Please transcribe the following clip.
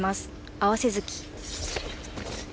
合わせ突き。